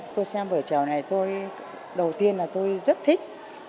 tôi xem vở trèo này tôi đầu tiên là tôi rất thích